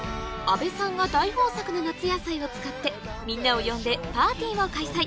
阿部さんが大豊作の夏野菜を使ってみんなを呼んでパーティーを開催